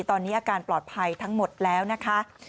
ตอนนี้อาการปลอดภัยทั้งหมดแล้วนะคะ